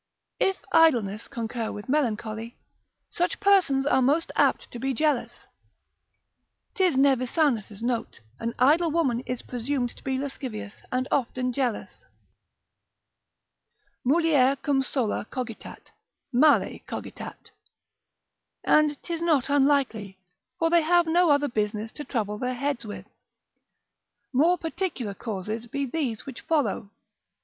If idleness concur with melancholy, such persons are most apt to be jealous; 'tis Nevisanus' note, an idle woman is presumed to be lascivious, and often jealous. Mulier cum sola cogitat, male cogitat: and 'tis not unlikely, for they have no other business to trouble their heads with. More particular causes be these which follow.